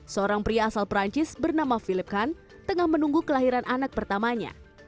seorang pria asal perancis bernama philip khan tengah menunggu kelahiran anak pertamanya